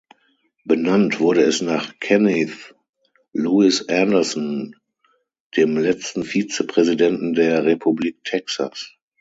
Benannt wurde es nach Kenneth Lewis Anderson, dem letzten Vizepräsidenten der Republik Texas.